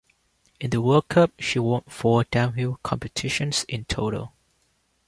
In the World Cup she won four downhill competitions in total.